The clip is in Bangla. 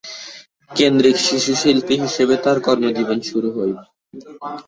কেন্দ্রিক শিশুশিল্পী হিসাবে তার কর্মজীবন শুরু করেন।